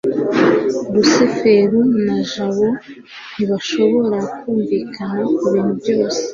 rusufero na jabo ntibashobora kumvikana kubintu byose